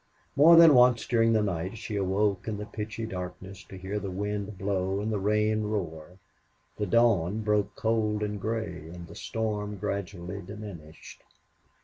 More than once during the night she awoke in the pitchy darkness to hear the wind blow and the rain roar. The dawn broke cold and gray, and the storm gradually diminished.